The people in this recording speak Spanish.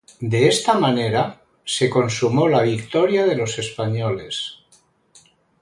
De esta manera se consumó la victoria de los españoles.